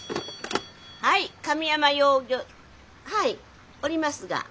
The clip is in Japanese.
☎はい神山養魚はいおりますが？